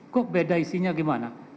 kok beda isinya gimana